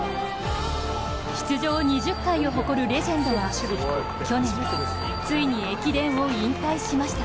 出場２０回を誇るレジェンドは去年、ついに駅伝を引退しました。